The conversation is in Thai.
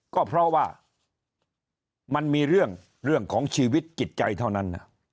ก็เพราะว่ามันมีเรื่องของชีวิตจิตใจเท่านั้น